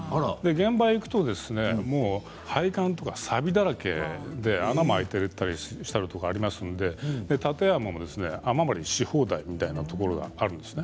現場に行くと配管とか、さびだらけで穴も開いていたりするところもありますので建屋も雨漏りし放題というところもあるんです。